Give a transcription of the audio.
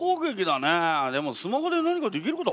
でもスマホで何かできることある？